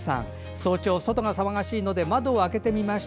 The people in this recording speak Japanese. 早朝、外が騒がしいので窓を開けてみました。